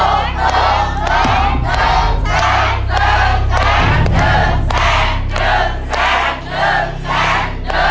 นุ้ย